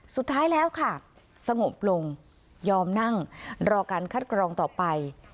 สุดท้ายแล้วค่ะสงบลงยอมนั่งรอการคัดกรองต่อไป